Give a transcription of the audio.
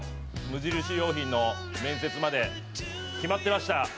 無印良品の面接まで決まってました。